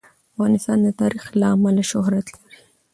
افغانستان د تاریخ له امله شهرت لري.